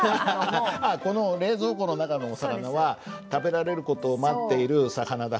あっこの冷蔵庫の中のお魚は食べられる事を待っている魚だから。